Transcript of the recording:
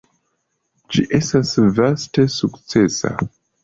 Ĝi estas vaste sukcesa.